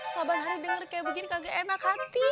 sabar hari denger kayak begini kagak enak hati